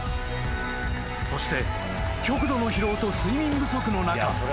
［そして極度の疲労と睡眠不足の中］